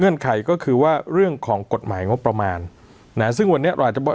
ไขก็คือว่าเรื่องของกฎหมายงบประมาณนะซึ่งวันนี้เราอาจจะบอก